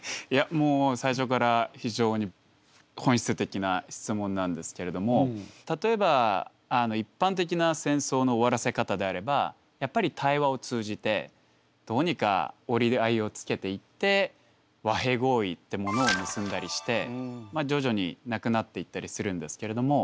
もう最初から非常に本質的な質問なんですけれども例えば一般的な戦争の終わらせ方であればやっぱり対話を通じてどうにか折り合いをつけていって和平合意ってものを結んだりしてまあ徐々になくなっていったりするんですけれども。